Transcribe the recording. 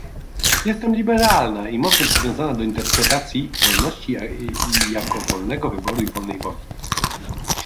Jestem liberalna i mocno przywiązana do interpretacji wolności jako wolnego wyboru i wolnej woli